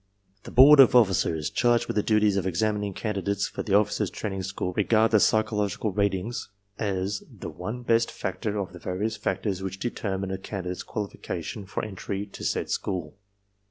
"The Board of Officers, charged with the duties of examining can didates for the Officers' Training School regard the psychological rat ings as the one best factor of the various factors which determine a candidate's qualification for entry to said school.